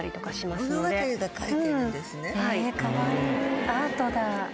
かわいいアートだ。